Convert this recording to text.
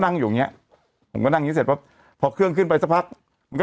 นั่งอยู่อย่างเงี้ยผมก็นั่งอย่างงี้เสร็จปั๊บพอเครื่องขึ้นไปสักพักมันก็